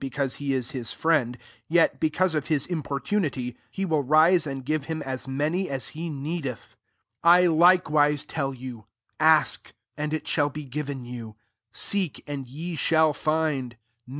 because he is his friend, jet be^ cause of his importunity, he will rise and give him as ta%t^p, as he needeth. 9 " I likewise tell you» A||)4, and it shall be given yoj^;. seek, and ye shall find ; knock. * See Bishop Pearce : q.